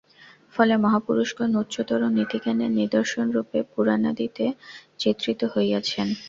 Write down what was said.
ফলে মহাপুরুষগণ উচ্চতর নীতিজ্ঞানের নিদর্শনরূপে পুরাণাদিতে চিত্রিত হইয়াছেন।